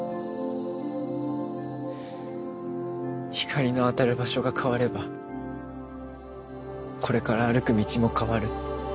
光の当たる場所が変わればこれから歩く道も変わる。